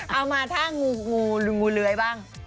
เอามาท่างูเลือยบ้าง